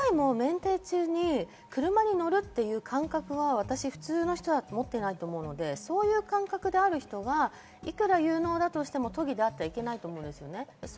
７回も免停中に車に乗るという感覚が普通の人だったら持っていないと思うので、そういう感覚の人がいくら有能だとしても都議であってはいけないと思うんですよね。